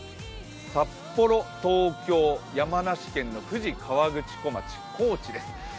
札幌、東京、山梨県の富士河口湖町高知です。